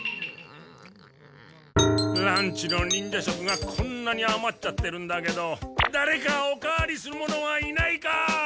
ランチの忍者食がこんなにあまっちゃってるんだけどだれかおかわりする者はいないか！？